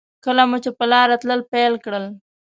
کله مو چې په لاره تلل پیل کړل.